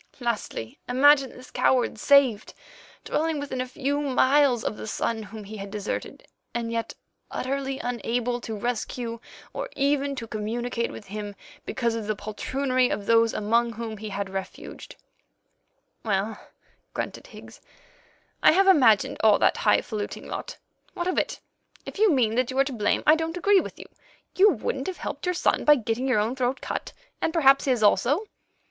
Lastly, imagine this coward saved, dwelling within a few miles of the son whom he had deserted, and yet utterly unable to rescue or even to communicate with him because of the poltroonery of those among whom he had refuged." "Well," grunted Higgs, "I have imagined all that high faluting lot. What of it? If you mean that you are to blame, I don't agree with you. You wouldn't have helped your son by getting your own throat cut, and perhaps his also."